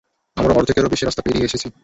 আমরা অর্ধেকেরও বেশি রাস্তা পেরিয়ে এসেছি!